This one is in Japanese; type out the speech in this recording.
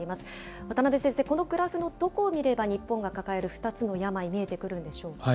渡辺先生、このグラフのどこを見れば、日本が抱える２つの病、見えてくるんでしょうか。